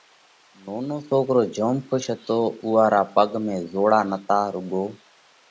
نونو سوڪرو جوم کُش هتو، اُوئا را پڳ ۾ زوڙا نتا روڳو